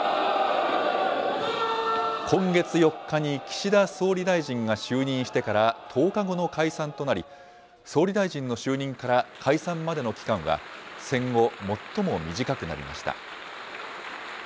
今月４日に岸田総理大臣が就任してから１０日後の解散となり、総理大臣の就任から解散までの期間は、戦後最も短くなりました。